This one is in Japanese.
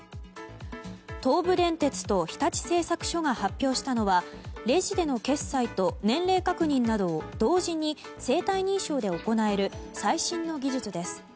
東武電鉄と日立製作所が発表したのはレジでの決済と年齢確認などを同時に生体認証で行える最新の技術です。